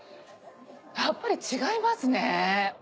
やっぱり違いますね。